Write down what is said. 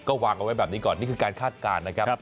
ก็วางเอาไว้แบบนี้ก่อนนี่คือการคาดการณ์นะครับ